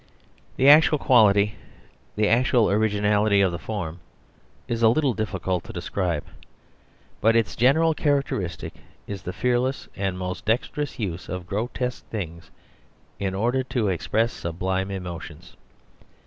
The actual quality, the actual originality of the form is a little difficult to describe. But its general characteristic is the fearless and most dexterous use of grotesque things in order to express sublime emotions.